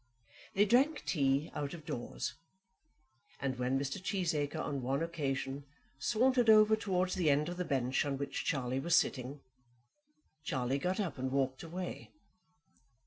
They drank tea out of doors, and when Mr. Cheesacre on one occasion sauntered across towards the end of the bench on which Charlie was sitting, Charlie got up and walked away.